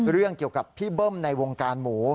เรื่องกับพี่เบิ้มในวงการหมู